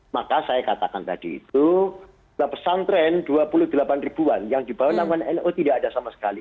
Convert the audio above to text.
maka saya katakan tadi itu pesantren dua puluh delapan ribuan yang dibawa namun no tidak ada sama sekali